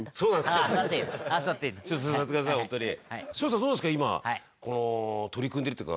どうですか？